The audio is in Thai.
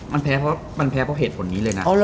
มันแพ้เพราะเหตุผลนี้เลยนะ